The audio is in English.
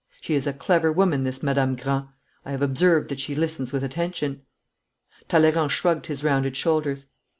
She is a clever woman, this Madame Grand. I have observed that she listens with attention.' Talleyrand shrugged his rounded shoulders.